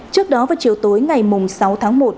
trước đó vào chiều tối ngày năm tháng một